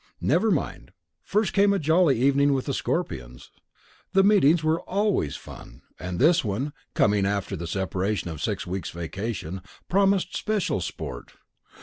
Never mind, first came a jolly evening with the Scorpions. The meetings were always fun, and this one, coming after the separation of a six weeks' vacation, promised special sport.